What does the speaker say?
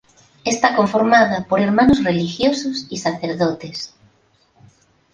Está conformada por hermanos religiosos y sacerdotes.